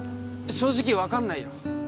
正直分かんないよ